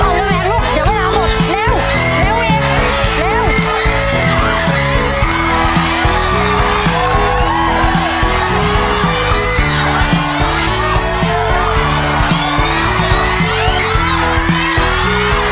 ต้องกระแบบลูกเดี๋ยวไม่ได้เอาหมดเร็ว